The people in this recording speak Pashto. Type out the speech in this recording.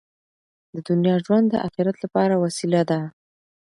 د دنیا ژوند د اخرت لپاره وسیله ده.